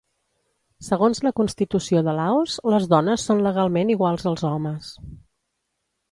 Segons la Constitució de Laos, les dones són legalment iguals als homes.